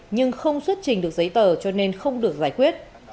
nhưng không xuất trình được giấy tờ cho nên không được giải quyết